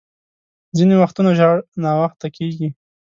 ځیني وختونه ژر ناوخته کېږي .